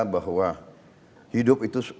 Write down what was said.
bahwa hidup itu